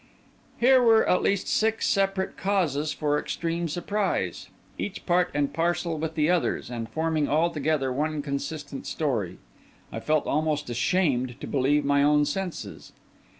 Here were at least six separate causes for extreme surprise; each part and parcel with the others, and forming all together one consistent story. I felt almost ashamed to believe my own senses.